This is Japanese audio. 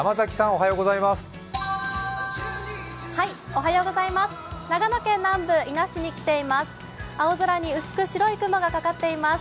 おはようございます